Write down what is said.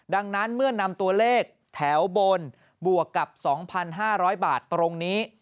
ดังนั้นเมื่อนำตัวเลขแถวบนบวกกับ๒๕๐๐บาทตรงนี้